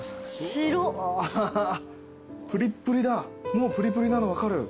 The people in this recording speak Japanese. もうプリプリなの分かる。